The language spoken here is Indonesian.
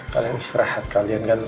kalian istirahat kalian kan udah capek